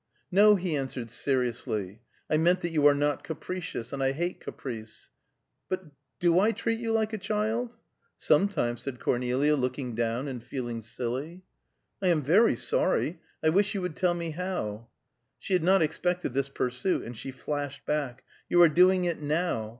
"No," he answered seriously. "I meant that you are not capricious, and I hate caprice. But do I treat you like a child?" "Sometimes," said Cornelia, looking down and feeling silly. "I am very sorry. I wish you would tell me how." She had not expected this pursuit, and she flashed back, "You are doing it now!